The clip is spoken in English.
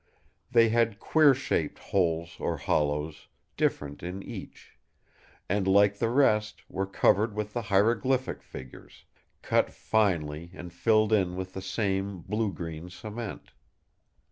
They had queer shaped holes or hollows, different in each; and, like the rest, were covered with the hieroglyphic figures, cut finely and filled in with the same blue green cement.